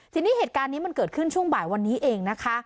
ทีนี้เหตุการณ์นี้มันเกิดขึ้นช่วงบ่ายวันนี้เองนะคะ